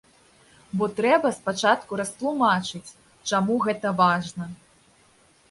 Бо трэба спачатку растлумачыць, чаму гэта важна.